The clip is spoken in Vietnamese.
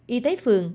y tế phường